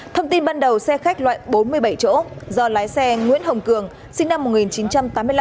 thông tin ban đầu xe khách loại bốn mươi bảy chỗ do lái xe nguyễn hồng cường sinh năm một nghìn chín trăm tám mươi năm